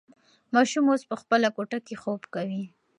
ماشوم اوس په خپله کوټه کې خوب کوي.